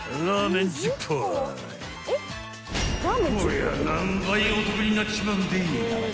［こりゃ何倍お得になっちまうんでい］